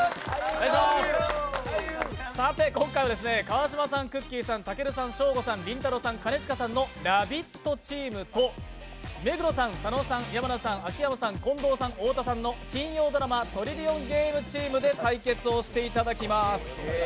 さて今回は川島さんくっきー！さんたけるさん、ショーゴさんりんたろーさん、兼近さんの「ラヴィット！」チームと目黒さん、佐野さん、山名さん、秋山さん、近藤さん、太田さんによる金曜ドラマ「トリリオンゲーム」で対決していただきます。